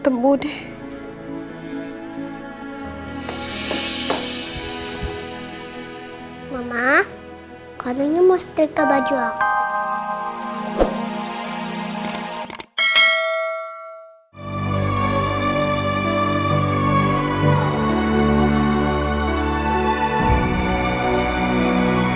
mama kalau ini musti terkabat juga